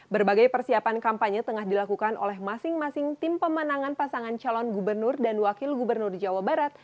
berbagai persiapan kampanye tengah dilakukan oleh masing masing tim pemenangan pasangan calon gubernur dan wakil gubernur jawa barat